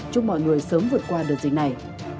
chúc mọi người sớm vượt qua đợt dịch này